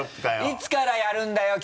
いつからやるんだよ？